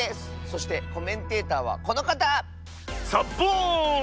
そしてコメンテーターはこのかた。サッボーン！